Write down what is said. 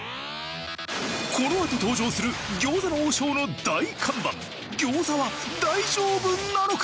このあと登場する餃子の王将の大看板餃子は大丈夫なのか？